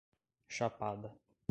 Chapada